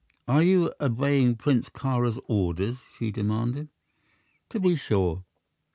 "Are you obeying Prince Kāra's orders?" she demanded. "To be sure!